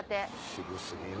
渋過ぎる。